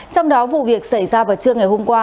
trong đó vụ việc xảy ra vào trưa ngày hôm qua